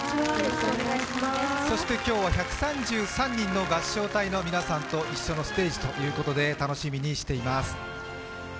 そして今日は１３３人の合唱隊の皆さんと一緒のステージということで楽しみにしています。